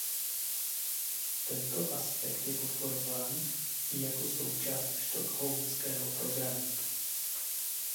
Tento aspekt je podporován i jako součást Stockholmského programu.